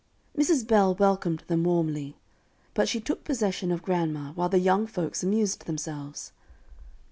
Mrs. Bell welcomed them warmly; but she took possession of grandma, while the young folks amused themselves.